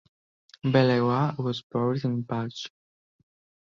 Balewa was buried in Bauchi.